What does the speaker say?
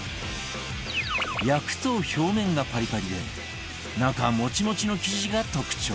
焼くと表面がパリパリで中もちもちの生地が特徴